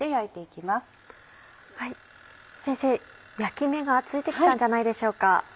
先生焼き目がついて来たんじゃないでしょうか。